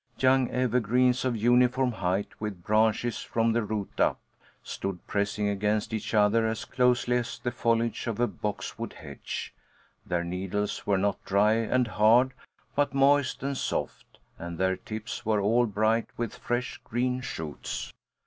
Young evergreens of uniform height, with branches from the root up, stood pressing against each other as closely as the foliage of a boxwood hedge; their needles were not dry and hard, but moist and soft, and their tips were all bright with fresh green shoots.